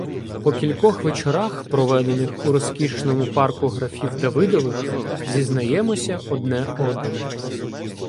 По кількох вечорах, проведених у розкішному парку графів Давидових, зізнаємося одне одному.